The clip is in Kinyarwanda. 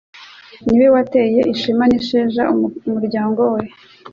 Ni we wateye ishema n’isheja umuryango we